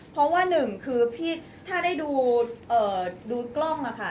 เพราะว่าหนึ่งคือพี่ถ้าได้ดูกล้องค่ะ